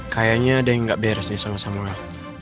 kayaknya ada yang gak beres nih sama samuel